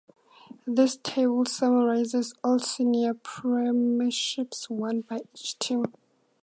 This table summarises all senior premierships won by each team.